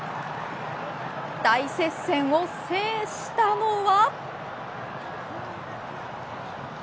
大接戦を制したのは。